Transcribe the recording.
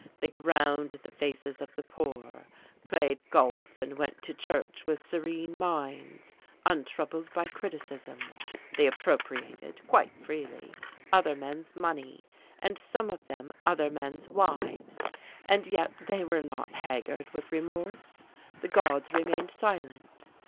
They ground the faces of the poor, played golf and went to church with serene minds, untroubled by criticism; they appropriated, quite freely, other men's money, and some of them other men's wives, and yet they were not haggard with remorse. The gods remained silent.